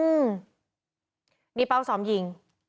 อืมนี่เป้าซ้อมยิง